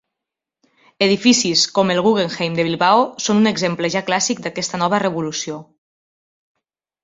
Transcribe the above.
Edificis com el Guggenheim de Bilbao són un exemple ja clàssic d'aquesta nova revolució.